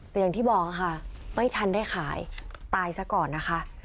แต่อย่างที่บอกค่ะไม่ทันได้ขายตายซะก่อนนะคะ